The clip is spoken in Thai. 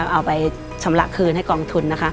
เอาไปชำระคืนให้กองทุนนะคะ